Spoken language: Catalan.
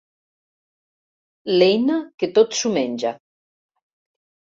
L'eina que tot s'ho menja.